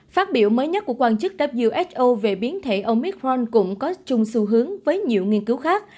phát biểu mới nhất của quan chức who về biến thể omicron cũng có chung xu hướng với nhiều nghiên cứu khác